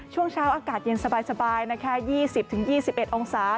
ช่วงเช้าอากาศเย็นสบายนะคะ๒๐๒๑องศา